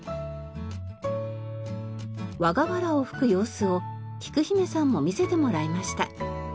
和瓦を葺く様子をきく姫さんも見せてもらいました。